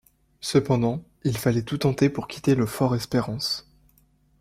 Cependant, il fallait tout tenter pour quitter le Fort-Espérance.